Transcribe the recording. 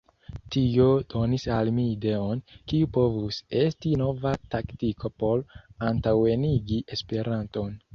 Tio donis al mi ideon, kiu povus esti nova taktiko por antaŭenigi Esperanton.